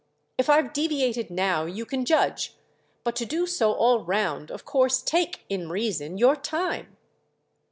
If I've deviated now you can judge. But to do so all round, of course, take—in reason!—your time."